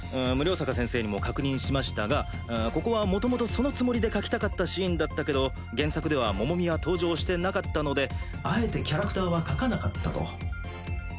無量坂先生にも確認しましたがここはもともとそのつもりで描きたかったシーンだったけど原作ではモモミは登場してなかったのであえてキャラクターは描かなかったと。